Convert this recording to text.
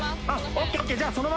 ＯＫＯＫじゃあ。